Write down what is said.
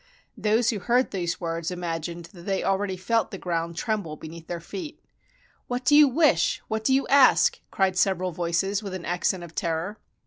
Those who heard these words imagined that they al ready felt the ground tremble beneath their feet. "What do you wish; what do you ask?" cried several voices with an accent of terror.